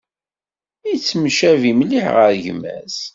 Yettemcabi mliḥ ɣer gma-s.